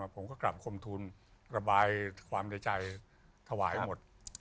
ผมก็กลับคมทุนระบายความในใจถวายหมด